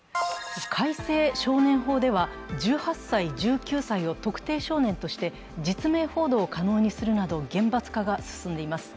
改正少年法では１８歳、１９歳を特定少年として実名報道を可能にするなど厳罰化が進んでいます。